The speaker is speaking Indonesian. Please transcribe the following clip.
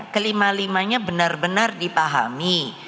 kelima limanya benar benar dipahami